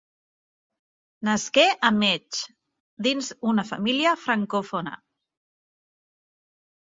Nasqué a Metz dins una família francòfona.